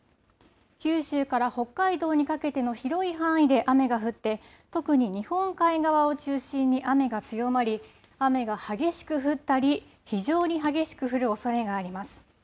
九州から北海道にかけての広い範囲で雨が降って特に日本海側を中心に雨が強まり雨が激しく降ったり非常に激しく降るおそれがあります。